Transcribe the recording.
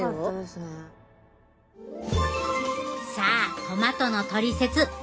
さあトマトのトリセツ